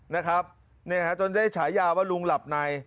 นะครับเนี่ยฮะจนได้ฉายาว่าลุงหลับใน